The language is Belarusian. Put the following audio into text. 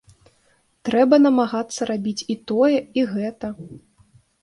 Трэба намагацца рабіць і тое, і гэта.